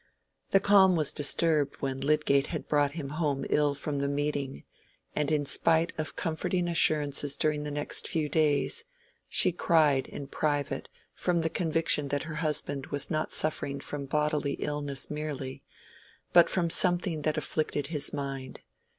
The calm was disturbed when Lydgate had brought him home ill from the meeting, and in spite of comforting assurances during the next few days, she cried in private from the conviction that her husband was not suffering from bodily illness merely, but from something that afflicted his mind.